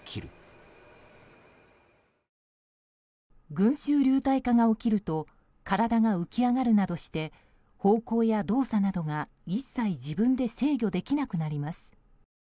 群衆流体化が起きると体が浮き上がるなどして方向や動作などが一切、自分で制御できなくなります。